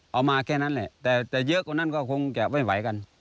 มาแค่นั้นแหละแต่เยอะกว่านั้นก็คงจะไม่ไหวกัน